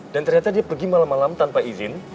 dan ternyata dia pergi malam malam tanpa izin